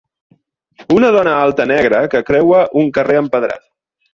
Una dona alta negra que creua un carrer empedrat.